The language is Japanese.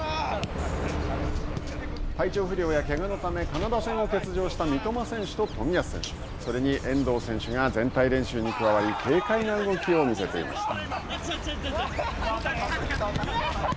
体調不良やけがのため、カナダ戦を欠場した三笘選手と冨安選手、それに遠藤選手が全体練習に加わり軽快な動きを見せていました。